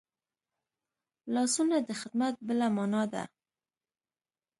لاسونه د خدمت بله مانا ده